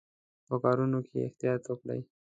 په کارولو کې یې احتیاط وکړي.